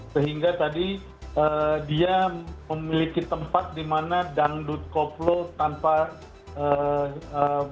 sehingga tadi dia memiliki tempat di mana dangdut koplo tanpa beras